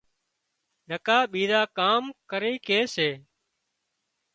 نڪا ٻيزان ڪام ڪري ڪي سي